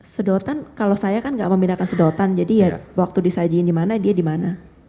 sedotan kalau saya kan nggak memindahkan sedotan jadi ya waktu disajiin di mana dia di mana